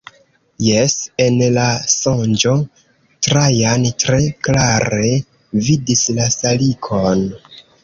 Jes, en la sonĝo, Trajan tre klare vidis la salikon.